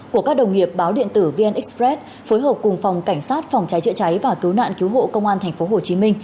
của các đồng nghiệp báo điện tử vn express phối hợp cùng phòng cảnh sát phòng cháy chữa cháy và cứu nạn cứu hộ công an tp hcm